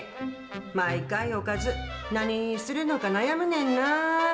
毎回おかず、何にするのか悩むねんな。